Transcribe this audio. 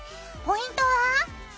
ポイントは？